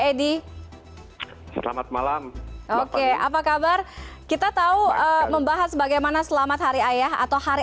edi selamat malam oke apa kabar kita tahu membahas bagaimana selamat hari ayah atau hari